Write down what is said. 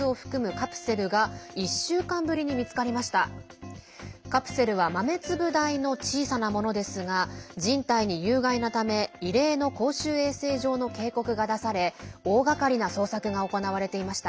カプセルは豆粒大の小さなものですが人体に有害なため異例の公衆衛生上の警告が出され大がかりな捜索が行われていました。